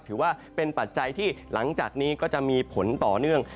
ถือว่าเป็นปัจจัยที่หลังจากนี้ก็จะมีผลต่อเนื่อง